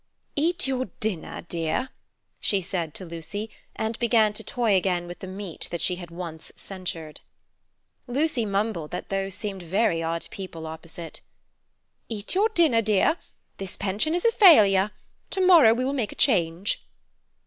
"Eat your dinner, dear," she said to Lucy, and began to toy again with the meat that she had once censured. Lucy mumbled that those seemed very odd people opposite. "Eat your dinner, dear. This pension is a failure. To morrow we will make a change."